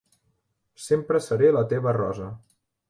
Sempre seré la teva rosa.